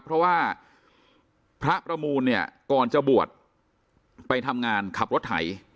เพราะว่าพระประมูลเนี่ยก่อนจะบวชไปทำงานขับรถไถ